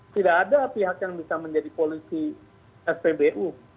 tidak ada pihak yang bisa menjadi polisi spbu